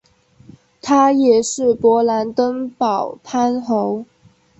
他也是勃兰登堡藩侯。